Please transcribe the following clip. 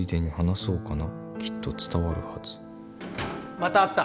またあった。